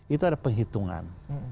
itu ada penghitungan